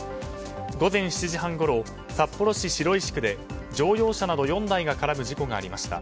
午前７時半ごろ札幌市白石区で乗用車など４台が絡む事故がありました。